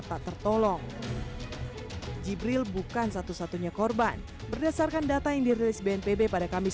tak tertolong jibril bukan satu satunya korban berdasarkan data yang dirilis bnpb pada kamis